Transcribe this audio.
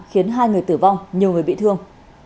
khiến hai người tử vong nhiều người bị thương